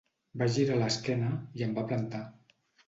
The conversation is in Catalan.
Va girar l'esquena i em va plantar.